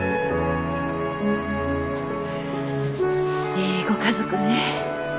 いいご家族ね。